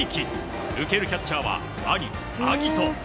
受けるキャッチャーは兄・晶音。